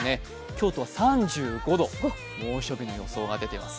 京都は３５度、猛暑日の予想が出ています。